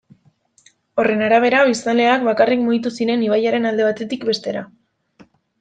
Horren arabera, biztanleak bakarrik mugitu ziren ibaiaren alde batetik bestera.